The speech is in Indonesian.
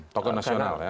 tokoh nasional ya